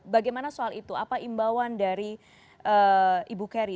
bagaimana soal itu apa imbauan dari ibu keri